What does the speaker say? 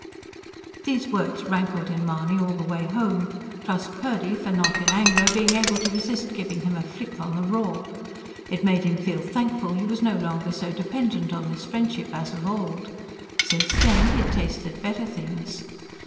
These words rankled in Mahony all the way home. Trust Purdy for not, in anger, being able to resist giving him a flick on the raw. It made him feel thankful he was no longer so dependent on this friendship as of old. Since then he had tasted better things.